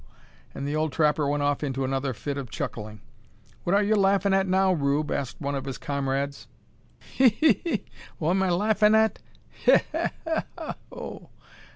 And the old trapper went off into another fit of chuckling. "What are ye laughin' at now, Rube?" asked one of his comrades. "He! he! he! What am I larfin' at? He! he! he!